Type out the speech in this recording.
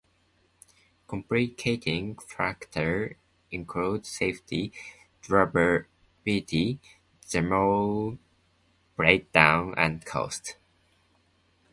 Complicating factors include safety, durability, thermal breakdown and cost.